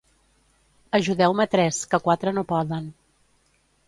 Ajudeu-me tres, que quatre no poden.